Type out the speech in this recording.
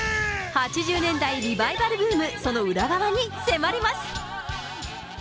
８０年代リバイバルブーム、その裏側に迫ります。